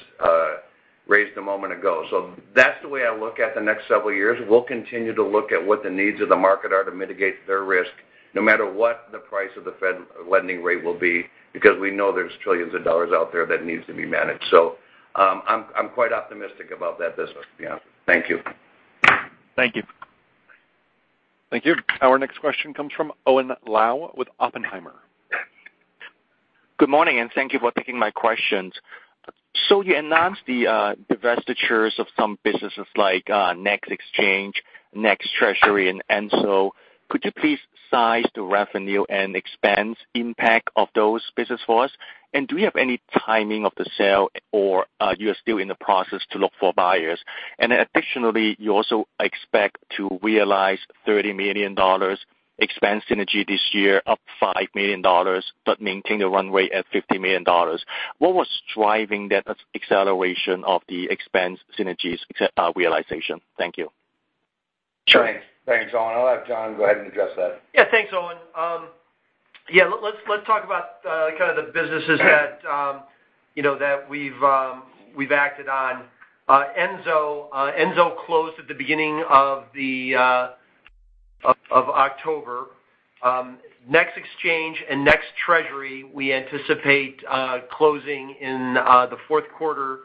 raised a moment ago. That's the way I look at the next several years. We'll continue to look at what the needs of the market are to mitigate their risk, no matter what the price of the Fed lending rate will be, because we know there's $ trillions out there that needs to be managed. I'm quite optimistic about that business. Thank you. Thank you. Thank you. Our next question comes from Owen Lau with Oppenheimer. Good morning, and thank you for taking my questions. You announced the divestitures of some businesses like NEX Exchange, NEX Treasury, and ENSO. Could you please size the revenue and expense impact of those business for us? Do you have any timing of the sale, or you are still in the process to look for buyers? Additionally, you also expect to realize $30 million expense synergy this year, up $5 million, but maintain the run rate at $50 million. What was driving that acceleration of the expense synergies realization? Thank you. Sure. Thanks. Thanks, Owen. I'll have John go ahead and address that. Thanks, Owen. Let's talk about kind of the businesses that we've acted on. ENSO closed at the beginning of October. NEX Exchange and NEX Treasury, we anticipate closing in the fourth quarter.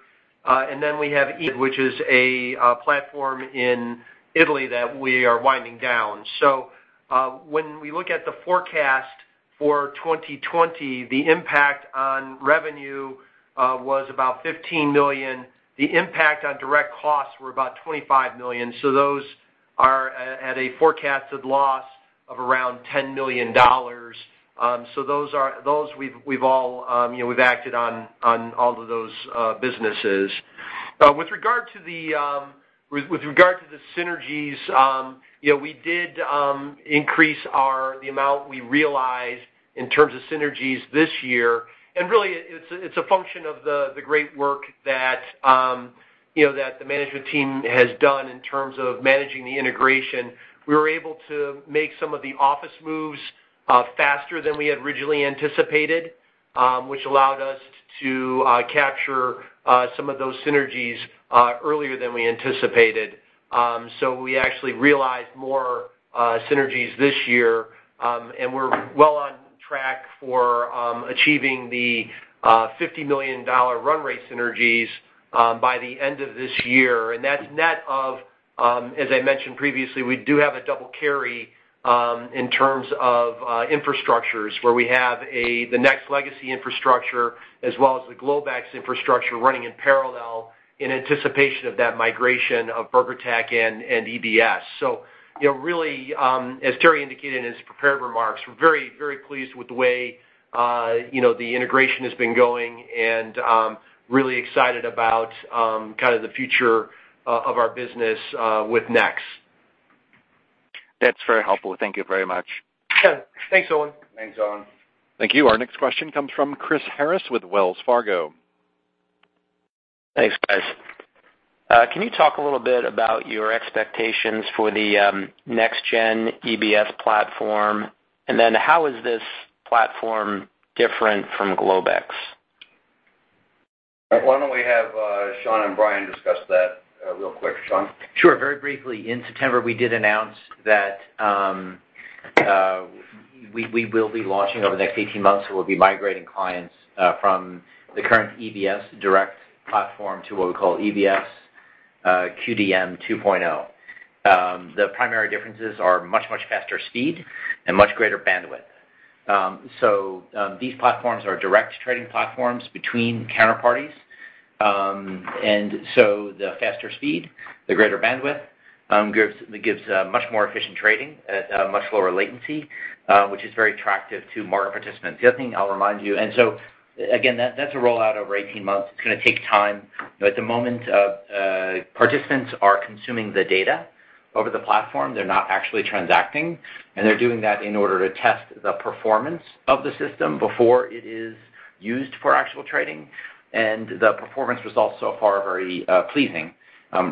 We have ‑ which is a platform in Italy that we are winding down. When we look at the forecast for 2020, the impact on revenue was $15 million. The impact on direct costs were $25 million. Those are at a forecasted loss of $10 million. We've acted on all of those businesses. With regard to the synergies, we did increase the amount we realized in terms of synergies this year. Really, it's a function of the great work that the management team has done in terms of managing the integration. We were able to make some of the office moves faster than we had originally anticipated, which allowed us to capture some of those synergies earlier than we anticipated. We actually realized more synergies this year, and we're well on track for achieving the $50 million run rate synergies by the end of this year. That's net of, as I mentioned previously, we do have a double carry in terms of infrastructures where we have the NEX legacy infrastructure as well as the Globex infrastructure running in parallel in anticipation of that migration of BrokerTec and EBS. Really, as Terry indicated in his prepared remarks, we're very pleased with the way the integration has been going and really excited about kind of the future of our business with NEX. That's very helpful. Thank you very much. Sure. Thanks, Owen. Thanks, Owen. Thank you. Our next question comes from Chris Harris with Wells Fargo. Thanks, guys. Can you talk a little bit about your expectations for the next gen EBS platform? How is this platform different from Globex? Why don't we have Sean and Bryan discuss that real quick? Sean? Sure. Very briefly, in September, we did announce that we will be launching over the next 18 months. We'll be migrating clients from the current EBS Direct platform to what we call EBS Direct 2.0. The primary differences are much, much faster speed and much greater bandwidth. These platforms are direct trading platforms between counterparties. And so the faster speed, the greater bandwidth, gives much more efficient trading at a much lower latency, which is very attractive to market participants. The other thing I'll remind you, and so again, that's a rollout over 18 months. It's going to take time. At the moment, participants are consuming the data over the platform. They're not actually transacting, and they're doing that in order to test the performance of the system before it is used for actual trading. The performance results so far are very pleasing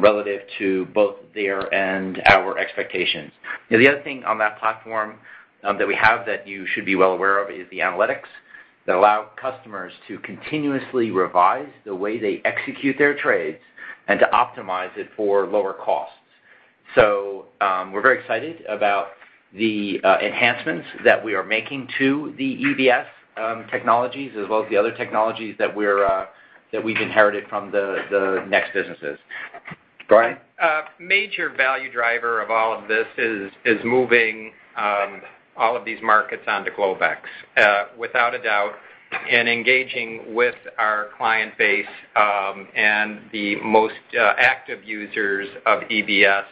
relative to both their and our expectations. The other thing on that platform that we have that you should be well aware of is the analytics that allow customers to continuously revise the way they execute their trades and to optimize it for lower costs. We're very excited about the enhancements that we are making to the EBS technologies, as well as the other technologies that we've inherited from the NEX businesses. Bryan? Major value driver of all of this is moving all of these markets onto Globex. Without a doubt, in engaging with our client base and the most active users of EBS,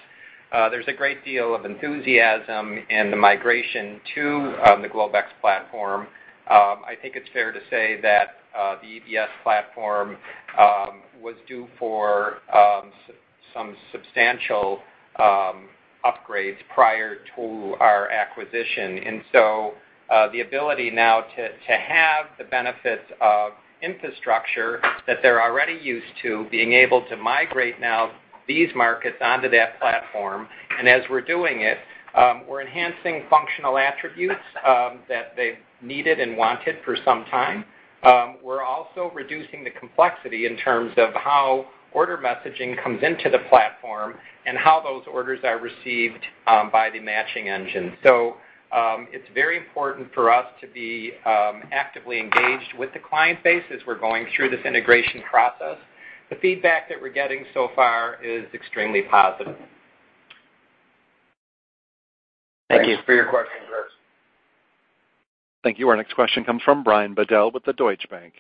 there's a great deal of enthusiasm in the migration to the Globex platform. I think it's fair to say that the EBS platform was due for some substantial upgrades prior to our acquisition. The ability now to have the benefits of infrastructure that they're already used to being able to migrate now these markets onto that platform. As we're doing it, we're enhancing functional attributes that they've needed and wanted for some time. We're also reducing the complexity in terms of how order messaging comes into the platform and how those orders are received by the matching engine. It's very important for us to be actively engaged with the client base as we're going through this integration process. The feedback that we're getting so far is extremely positive. Thank you for your questions, Chris. Thank you. Our next question comes from Brian Bedell with the Deutsche Bank.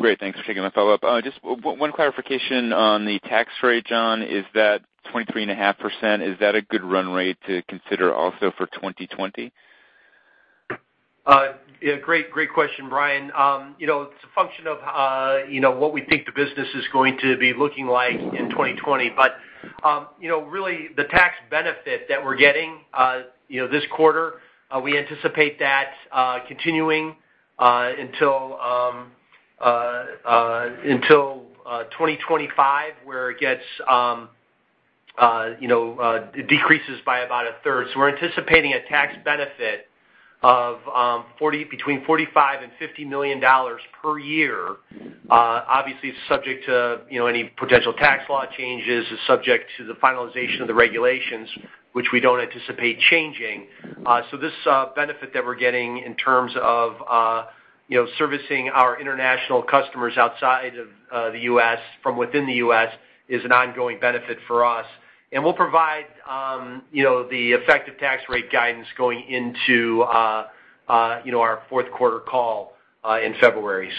Great. Thanks for taking my follow-up. Just one clarification on the tax rate, John. Is that 23.5%? Is that a good run rate to consider also for 2020? Great question, Brian. It's a function of what we think the business is going to be looking like in 2020. Really, the tax benefit that we're getting this quarter, we anticipate that continuing until 2025, where it decreases by about a third. We're anticipating a tax benefit of between $45 and $50 million per year. Obviously, it's subject to any potential tax law changes. It's subject to the finalization of the regulations, which we don't anticipate changing. This benefit that we're getting in terms of servicing our international customers outside of the U.S. from within the U.S. is an ongoing benefit for us. We'll provide the effective tax rate guidance going into our fourth quarter call in February.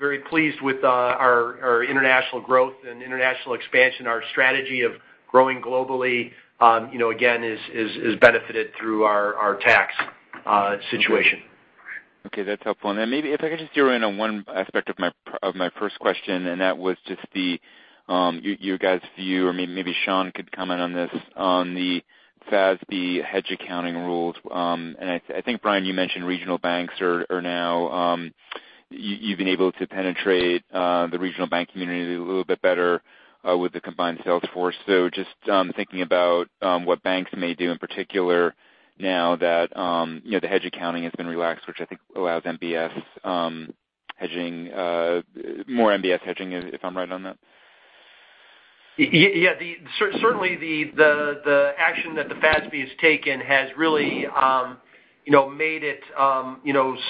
Very pleased with our international growth and international expansion. Our strategy of growing globally, again, is benefited through our tax situation. Okay. That's helpful. Maybe if I could just zero in on one aspect of my first question, that was just your guys' view, or maybe Sean could comment on this, on the FASB hedge accounting rules. I think, Bryan, you mentioned regional banks. You've been able to penetrate the regional bank community a little bit better with the combined sales force. Just thinking about what banks may do, in particular, now that the hedge accounting has been relaxed, which I think allows MBS hedging, more MBS hedging, if I'm right on that. Yeah. Certainly the action that the FASB has taken has really made it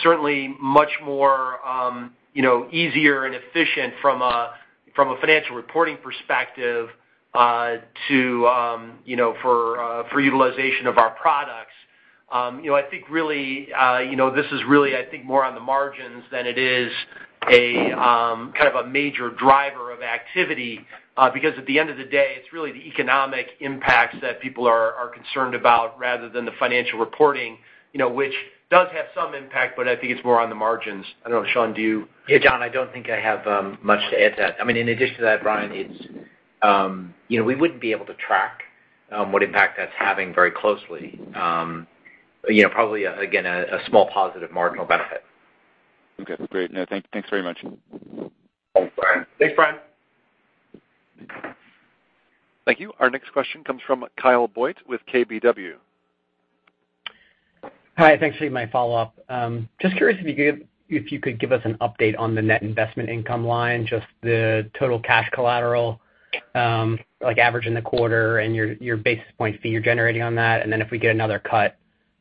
certainly much more easier and efficient from a financial reporting perspective for utilization of our products. I think this is really more on the margins than it is a kind of a major driver of activity. At the end of the day, it's really the economic impacts that people are concerned about rather than the financial reporting which does have some impact, but I think it's more on the margins. I don't know, Sean, do you- Yeah, John, I don't think I have much to add to that. In addition to that, Bryan, we wouldn't be able to track what impact that's having very closely. Probably, again, a small positive marginal benefit. Okay, great. Thanks very much. Thanks, Brian. Thanks, Brian. Thank you. Our next question comes from Kyle Voigt with KBW. Hi, thanks for taking my follow-up. Just curious if you could give us an update on the net investment income line, just the total cash collateral, like average in the quarter and your basis points fee you're generating on that. If we get another cut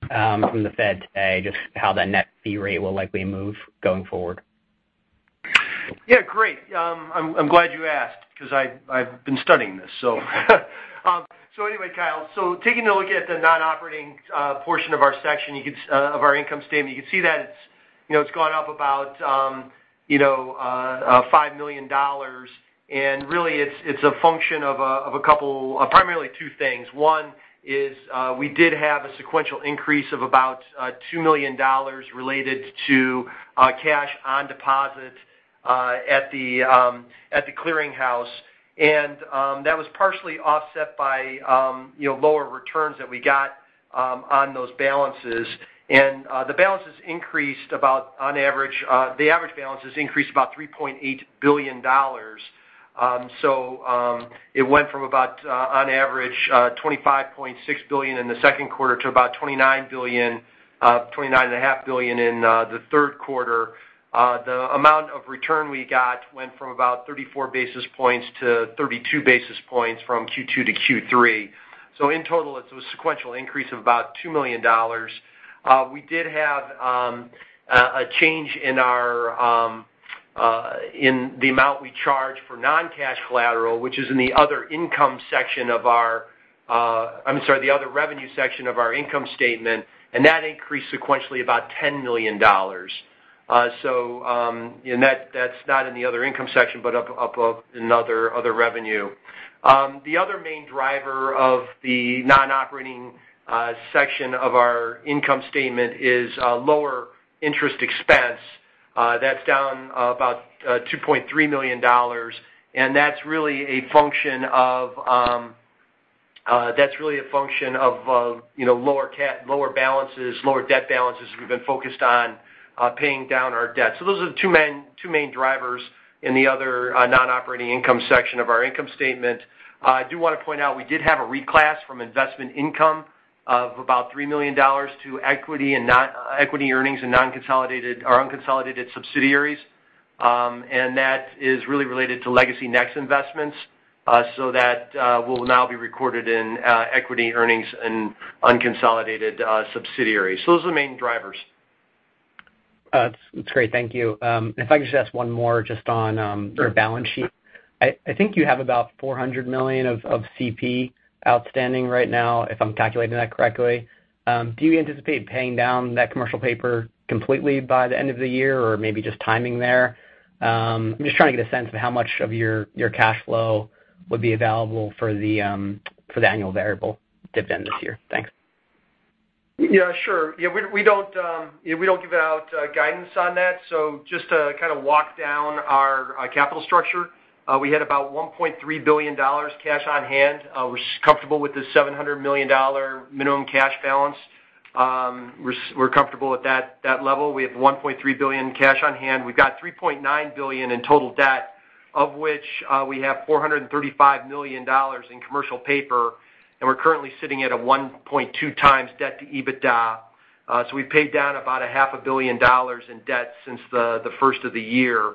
from the Fed today, just how that net fee rate will likely move going forward. Yeah, great. I'm glad you asked because I've been studying this. Anyway, Kyle, taking a look at the non-operating portion of our section of our income statement, you can see that it's gone up about $5 million. Really, it's a function of primarily two things. One is we did have a sequential increase of about $2 million related to cash on deposit at the clearinghouse. That was partially offset by lower returns that we got on those balances. The average balances increased about $3.8 billion. It went from about on average $25.6 billion in the second quarter to about $29.5 billion in the third quarter. The amount of return we got went from about 34 basis points to 32 basis points from Q2 to Q3. In total, it's a sequential increase of about $2 million. We did have a change in the amount we charge for non-cash collateral, which is in the other revenue section of our income statement. That increased sequentially $10 million. That's not in the other income section, but up in other revenue. The other main driver of the non-operating section of our income statement is lower interest expense. That's down $2.3 million. That's really a function of lower debt balances. We've been focused on paying down our debt. Those are the two main drivers in the other non-operating income section of our income statement. I do want to point out, we did have a reclass from investment income of $3 million to equity earnings in unconsolidated subsidiaries. That is really related to legacy NEX investments. That will now be recorded in equity earnings in unconsolidated subsidiaries. Those are the main drivers. That's great. Thank you. If I could just ask one more just on your balance sheet. I think you have about $400 million of CP outstanding right now, if I'm calculating that correctly. Do you anticipate paying down that commercial paper completely by the end of the year or maybe just timing there? I'm just trying to get a sense of how much of your cash flow would be available for the annual variable dividend this year. Thanks. Yeah, sure. We don't give out guidance on that. Just to kind of walk down our capital structure, we had about $1.3 billion cash on hand. We're comfortable with the $700 million minimum cash balance. We're comfortable at that level. We have $1.3 billion cash on hand. We've got $3.9 billion in total debt, of which we have $435 million in commercial paper, and we're currently sitting at a 1.2 times debt to EBITDA. We paid down about a half a billion dollars in debt since the first of the year.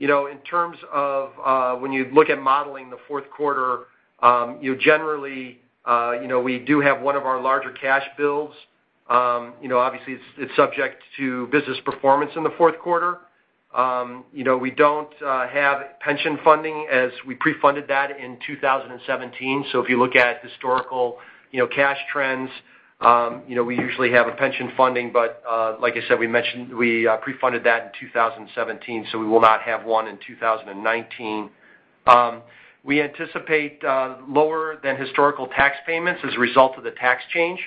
In terms of when you look at modeling the fourth quarter, generally we do have one of our larger cash bills. Obviously, it's subject to business performance in the fourth quarter. We don't have pension funding as we pre-funded that in 2017. If you look at historical cash trends, we usually have a pension funding, but like I said, we mentioned we pre-funded that in 2017, so we will not have one in 2019. We anticipate lower than historical tax payments as a result of the tax change.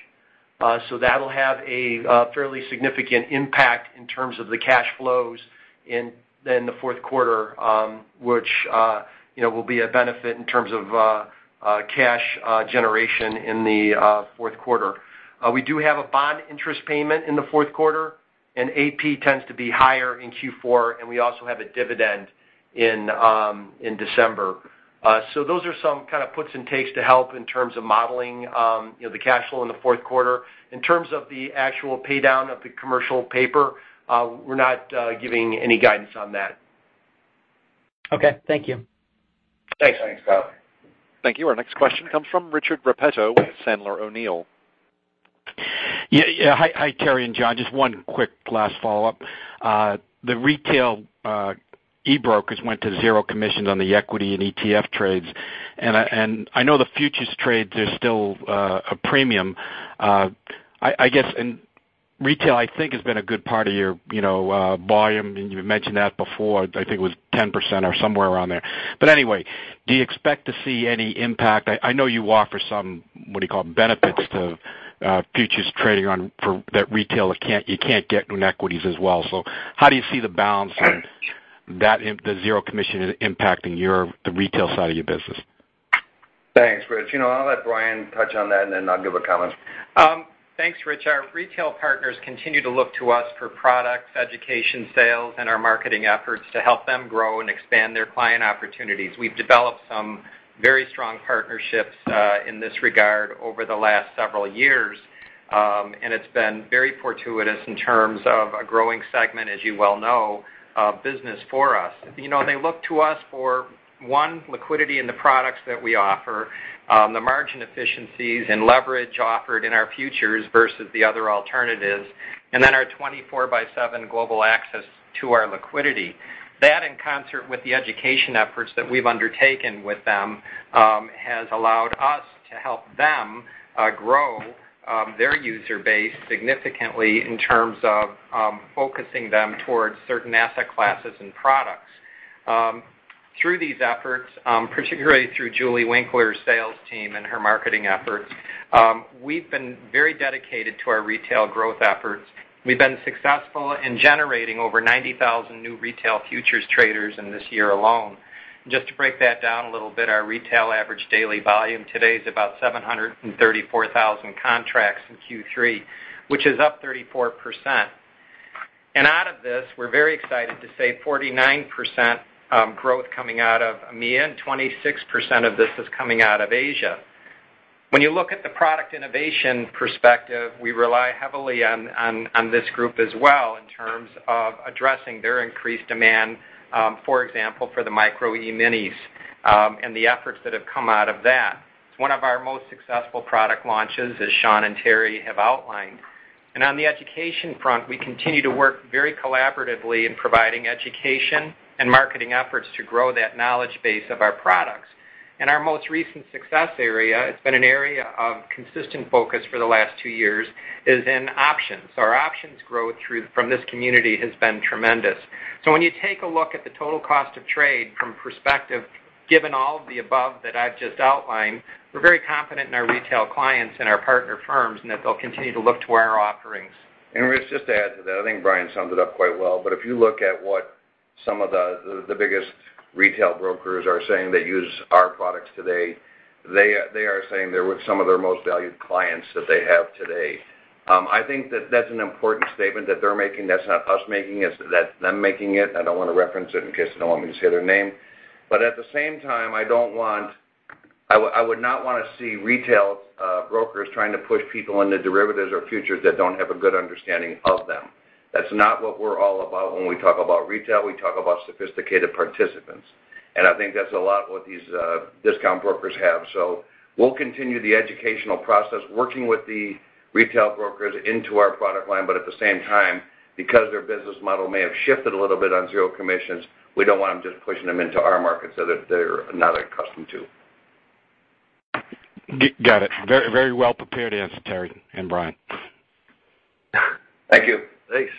That'll have a fairly significant impact in terms of the cash flows in the fourth quarter, which will be a benefit in terms of cash generation in the fourth quarter. We do have a bond interest payment in the fourth quarter, and AP tends to be higher in Q4, and we also have a dividend in December. Those are some kind of puts and takes to help in terms of modeling the cash flow in the fourth quarter. In terms of the actual pay-down of the commercial paper, we're not giving any guidance on that. Okay, thank you. Thanks. Thanks, Kyle. Thank you. Our next question comes from Rich Repetto with Sandler O'Neill. Hi, Terry and John. Just one quick last follow-up. The retail e-brokers went to zero commissions on the equity and ETF trades. I know the futures trades are still a premium. I guess in retail, I think has been a good part of your volume. You mentioned that before, I think it was 10% or somewhere around there. Anyway, do you expect to see any impact? I know you offer some, what do you call them, benefits to futures trading on that retail, you can't get in equities as well. How do you see the balance and the zero commission impacting the retail side of your business? Thanks, Rich. I'll let Bryan touch on that, and then I'll give a comment. Thanks, Rich. Our retail partners continue to look to us for products, education, sales, and our marketing efforts to help them grow and expand their client opportunities. We've developed some very strong partnerships in this regard over the last several years, and it's been very fortuitous in terms of a growing segment, as you well know, of business for us. They look to us for one, liquidity in the products that we offer, the margin efficiencies and leverage offered in our futures versus the other alternatives, and then our 24 by seven global access to our liquidity. That in concert with the education efforts that we've undertaken with them, has allowed us to help them grow their user base significantly in terms of focusing them towards certain asset classes and products. Through these efforts, particularly through Julie Winkler's sales team and her marketing efforts, we've been very dedicated to our retail growth efforts. We've been successful in generating over 90,000 new retail futures traders in this year alone. Just to break that down a little bit, our retail average daily volume today is about 734,000 contracts in Q3, which is up 34%. Out of this, we're very excited to say 49% growth coming out of EMEA, and 26% of this is coming out of Asia. When you look at the product innovation perspective, we rely heavily on this group as well in terms of addressing their increased demand, for example, for the Micro E-minis, and the efforts that have come out of that. It's one of our most successful product launches, as Sean and Terry have outlined. On the education front, we continue to work very collaboratively in providing education and marketing efforts to grow that knowledge base of our products. Our most recent success area, it's been an area of consistent focus for the last two years, is in options. Our options growth from this community has been tremendous. When you take a look at the total cost of trade from perspective, given all of the above that I've just outlined, we're very confident in our retail clients and our partner firms, and that they'll continue to look to our offerings. Rich, just to add to that, I think Bryan summed it up quite well, but if you look at what some of the biggest retail brokers are saying that use our products today, they are saying they're some of their most valued clients that they have today. I think that that's an important statement that they're making. That's not us making it, that's them making it. I don't want to reference it in case they don't want me to say their name. At the same time, I would not want to see retail brokers trying to push people into derivatives or futures that don't have a good understanding of them. That's not what we're all about when we talk about retail, we talk about sophisticated participants, and I think that's a lot what these discount brokers have. We'll continue the educational process, working with the retail brokers into our product line, but at the same time, because their business model may have shifted a little bit on zero commissions, we don't want them just pushing them into our markets that they're not accustomed to. Got it. Very well-prepared answer, Terry and Bryan. Thank you. Thanks.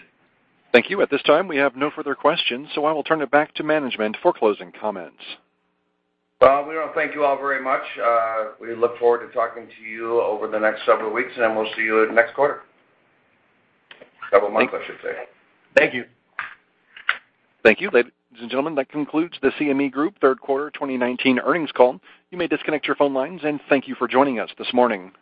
Thank you. At this time, we have no further questions, so I will turn it back to management for closing comments. Well, we want to thank you all very much. We look forward to talking to you over the next several weeks, and we'll see you next quarter. Several months, I should say. Thank you. Thank you. Ladies and gentlemen, that concludes the CME Group third quarter 2019 earnings call. You may disconnect your phone lines, and thank you for joining us this morning.